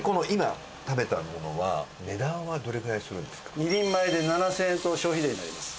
ちなみに２人前で７０００円と消費税になります。